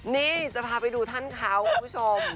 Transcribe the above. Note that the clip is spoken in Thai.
นี่จะพาไปดูท่านเขาคุณผู้ชม